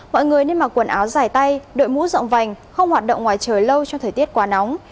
mọi người nên mặc quần áo dài tay đội mũ rộng vành không hoạt động ngoài trời lâu trong thời tiết quá nóng